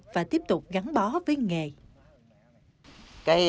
và tiếp tục gắn bó với nghề